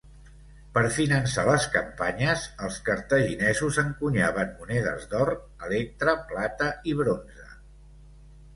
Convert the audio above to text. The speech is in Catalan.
Per finançar les campanyes, els cartaginesos encunyaven monedes d'or, electre, plata i bronze.